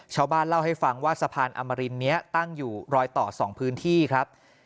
ชาวบ้านเล่าให้ฟังว่าสะพานอมรินนี้ตั้งอยู่รอยต่อ๒พื้นที่ครับ